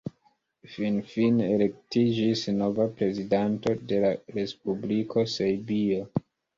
Finfine elektiĝis nova prezidanto de la respubliko Serbio.